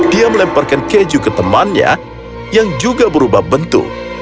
dia melemparkan keju ke temannya yang juga berubah bentuk